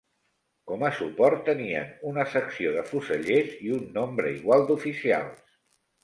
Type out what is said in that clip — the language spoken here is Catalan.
Com a suport tenien una secció de fusellers i un nombre igual d'oficials.